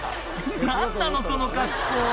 「何なのその格好」